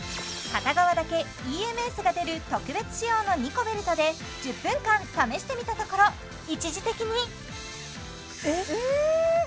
片側だけＥＭＳが出る特別仕様のニコベルトで１０分間試してみたところ一時的に・えっえ・え！